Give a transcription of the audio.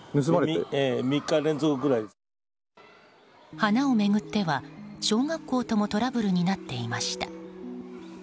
花を巡っては小学校ともトラブルになっていました。